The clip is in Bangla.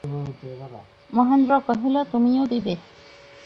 মহেন্দ্র কহিল, তুমিও দিবে?